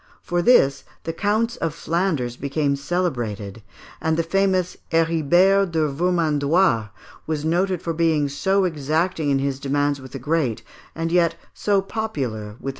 For this the Counts of Flanders became celebrated, and the famous Héribert de Vermandois was noted for being so exacting in his demands with the great, and yet so popular with the small.